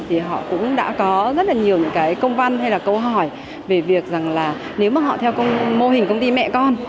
thì họ cũng đã có rất là nhiều cái công văn hay là câu hỏi về việc rằng là nếu mà họ theo mô hình công ty mẹ con